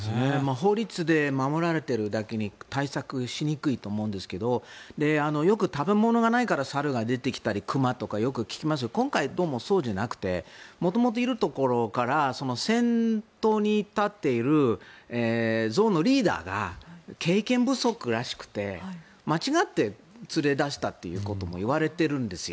法律で守られているだけに対策しにくいと思うんですがよく食べ物がないから猿が出てきたり熊とかよく聞きますが今回、どうもそうじゃなくて元々いるところから先頭に立っている象のリーダーが経験不足らしくて間違って連れ出したということもいわれているんですよ。